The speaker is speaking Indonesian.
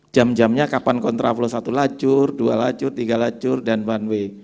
jam jamnya kapan kontraflos satu lacur dua lacur tiga lacur dan satu way